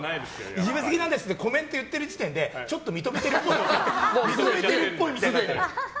いじめすぎなんですってコメントを言ってる時点でちょっと認めてるっていうね。